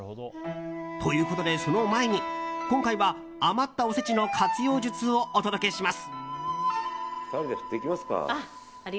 ということでその前に、今回は余ったおせちの活用術をお届けします。